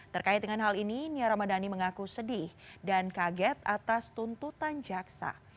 terkait dengan hal ini nia ramadhani mengaku sedih dan kaget atas tuntutan jaksa